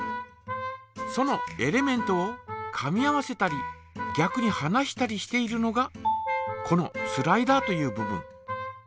そのエレメントをかみ合わせたりぎゃくにはなしたりしているのがこのスライダーという部分。